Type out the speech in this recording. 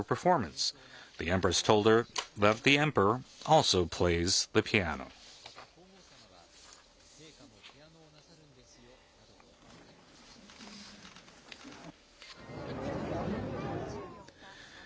また、皇后さまは、陛下もピアノをなさるんですよなどと話されていました。